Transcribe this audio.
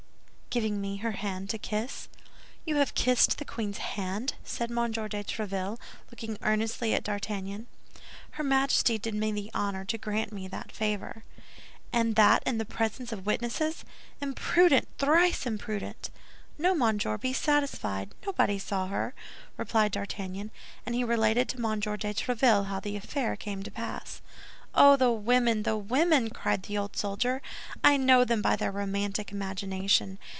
"Giving me her hand to kiss." "You have kissed the queen's hand?" said M. de Tréville, looking earnestly at D'Artagnan. "Her Majesty did me the honor to grant me that favor." "And that in the presence of witnesses! Imprudent, thrice imprudent!" "No, monsieur, be satisfied; nobody saw her," replied D'Artagnan, and he related to M. de Tréville how the affair came to pass. "Oh, the women, the women!" cried the old soldier. "I know them by their romantic imagination.